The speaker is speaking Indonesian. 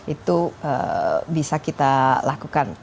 itu bisa kita lakukan